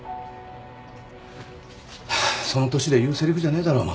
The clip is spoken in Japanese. ハァその年で言うせりふじゃねえだろまったく。